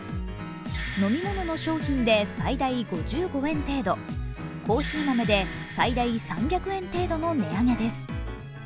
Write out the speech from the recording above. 飲み物の商品で最大５５円程度、コーヒー豆で最大３００円程度の値上げです。